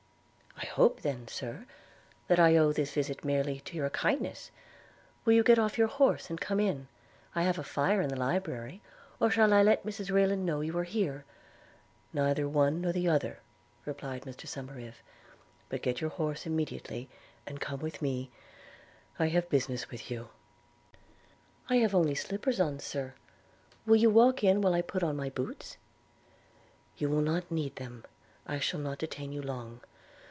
'I hope then, Sir, that I owe this visit merely to your kindness. Will you get off your horse, and come in? – I have a fire in the library – or shall I let Mrs Rayland know you are here?' 'Neither the one or the other,' replied Mr Somerive. 'But get your horse immediately, and come with me; I have business with you.' 'I have only slippers on, Sir; will you walk in while I put on my boots?' 'You will not need them – I shall not detain you long.